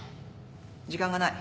時間がない。